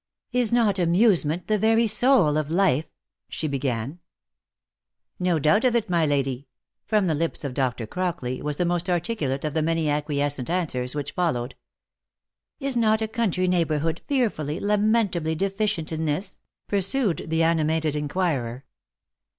" Is not amusement the very soul of life?" she began. F 66 THE LIFE AND ADVENTURES " No doubt of it, my lady," from the lips of Dr. Crockley, was the most articulate of the many acquiescent answers which fol lowed. " Is not a country neighbourhood fearfully, lamentably diffident in this ?" pursued the animated inquirer.